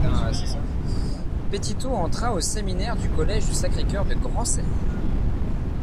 Petitot entra au séminaire du collège du Sacré-Cœur de Grancey.